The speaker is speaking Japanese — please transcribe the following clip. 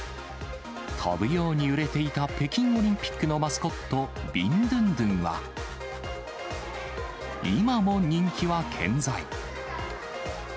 飛ぶように売れていた北京オリンピックのマスコット、ビンドゥンドゥンは、今も人気は健在。